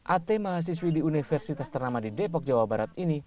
at mahasiswi di universitas ternama di depok jawa barat ini